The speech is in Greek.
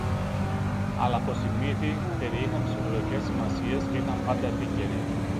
αλλά πως οι μύθοι περιείχαν ψυχολογικές σημασίες και ήταν πάντα επίκαιροι